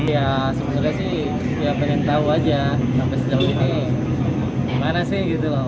ya sebenarnya sih saya ingin tahu saja sampai sejauh ini gimana sih gitu loh